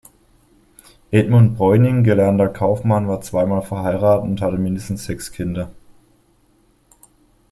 Edmund Bräuning, gelernter Kaufmann, war zweimal verheiratet und hatte mindestens sechs Kinder.